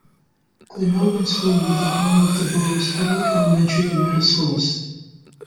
Glenolden School is the home of the borough's public elementary and middle schools.